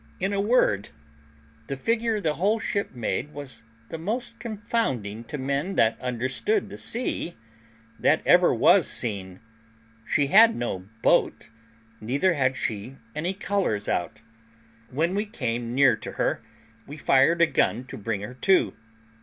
In a word, the figure the whole ship made was the most confounding to men that understood the sea that ever was seen. She had no boat, neither had she any colours out. When we came near to her, we fired a gun to bring her to.